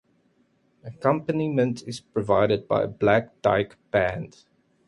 Accompaniment is provided by Black Dyke Band.